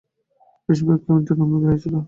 বেশিরভাগকেই মৃত্যুদন্ড দেয়া হয়েছিল।